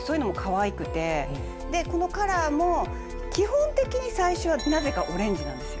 このカラーも基本的に最初はなぜかオレンジなんですよ。